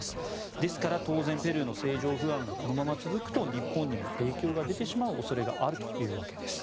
ですから、当然ペルーの政情不安がこのまま続くと日本にも影響が出てしまう恐れがあるということです。